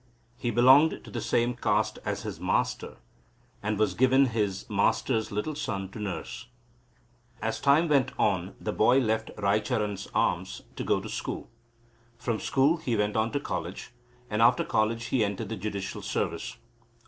He belonged to the same caste as his master, and was given his master's little son to nurse. As time went on the boy left Raicharan's arms to go to school. From school he went on to college, and after college he entered the judicial service.